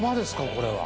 これは。